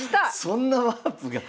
そんなワープが。